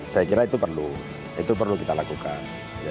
saya kira itu perlu itu perlu kita lakukan